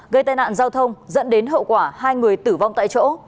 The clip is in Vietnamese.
gây tai nạn giao thông dẫn đến hậu quả hai người tử vong tại chỗ